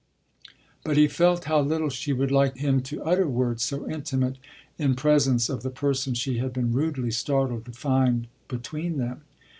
but he felt how little she would like him to utter words so intimate in presence of the person she had been rudely startled to find between them.